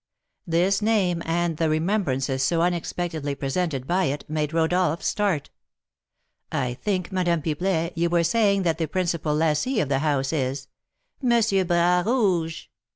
This name, and the remembrances so unexpectedly presented by it, made Rodolph start. "I think, Madame Pipelet, you were saying that the principal lessee of the house is " "M. Bras Rouge."